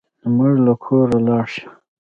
زموږ له کوره لاړ شه.